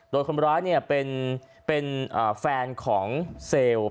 โดยคนร้ายเป็นแฟนของเซลล์